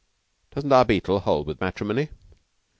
"Doesn't our Beetle hold with matrimony?"